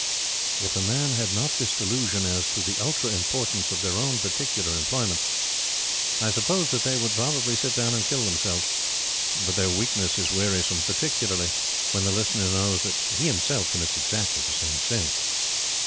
If men had not this delusion as to the ultra importance of their own particular employments, I suppose that they would sit down and kill themselves. But their weakness is wearisome, particularly when the listener knows that he himself commits exactly the same sin.